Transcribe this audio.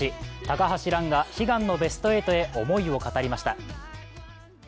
高橋藍が悲願のベスト８へ思いを語りました。